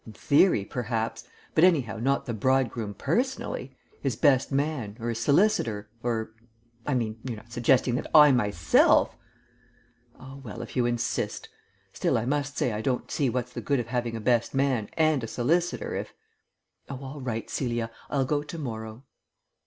"In theory, perhaps. But anyhow not the bridegroom personally. His best man ... or his solicitor ... or ... I mean, you're not suggesting that I myself Oh, well, if you insist. Still, I must say I don't see what's the good of having a best man and a solicitor if Oh, all right, Celia, I'll go to morrow."